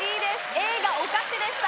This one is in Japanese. Ａがお菓子でした